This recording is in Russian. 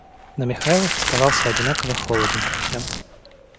Но Михайлов оставался одинаково холоден ко всем.